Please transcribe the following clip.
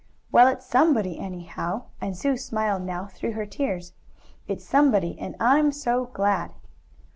"Well, it's SOMEBODY, anyhow," and Sue smiled now, through her tears. "It's somebody, and I'm so glad!"